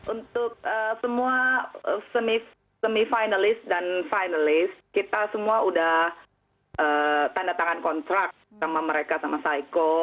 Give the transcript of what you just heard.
untuk semua semifinalist dan finalist kita semua udah tanda tangan kontrak sama mereka sama saiko